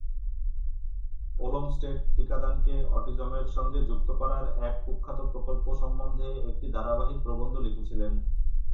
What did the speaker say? Olmsted টিকাদানকে অটিজমের সঙ্গে যুক্ত করার এক কুখ্যাত প্রকল্প সম্বন্ধে একটা ধারাবাহিক প্রবন্ধ লিখেছিলেন।